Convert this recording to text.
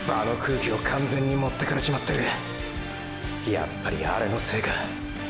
やっぱりアレのせいか。